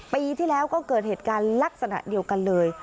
ปีที่แล้วก็เกิดเหตุการณ์ลักษณะเดียวกันเลย